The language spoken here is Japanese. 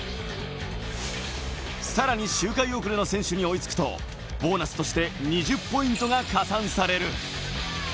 さらに周回遅れの選手に追いつくと、ボーナスとして２０ポイントが加算される。